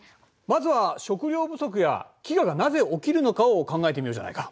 まずは食料不足や飢餓がなぜ起きるのかを考えてみようじゃないか。